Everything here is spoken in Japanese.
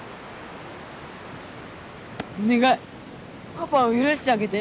お願いパパを許してあげて。